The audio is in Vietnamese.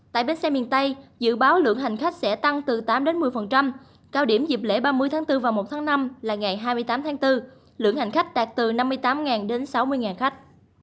tại bến xe miền tây dự báo lượng hành khách sẽ tăng từ tám một mươi cao điểm dịp lễ ba mươi tháng bốn và một tháng năm là ngày hai mươi tám tháng bốn lượng hành khách đạt từ năm mươi tám đến sáu mươi khách